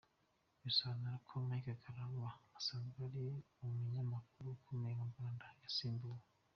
Bisobanura ko Mike Karangwa usanzwe ari umunyamakuru ukomeye mu Rwanda yasimbuwe.